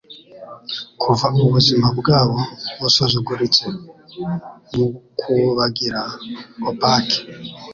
kuva ubuzima bwabo busuzuguritse mukubagira opaque